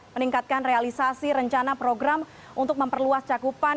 meningkatkan realisasi rencana program untuk memperluas cakupan